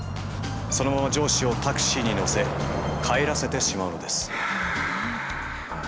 そのまま上司をタクシーに乗せ帰らせてしまうのです。